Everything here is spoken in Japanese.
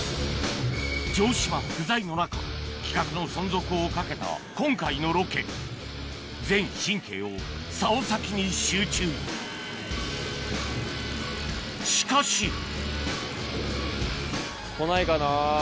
城島不在の中企画の存続を懸けた今回のロケ全神経を竿先に集中しかし来ないかな。